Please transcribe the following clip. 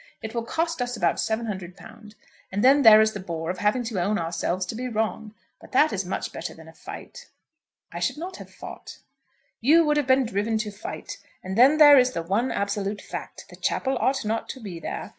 It will cost us about £700, and then there is the bore of having to own ourselves to be wrong. But that is much better than a fight." "I should not have fought." "You would have been driven to fight. And then there is the one absolute fact; the chapel ought not to be there.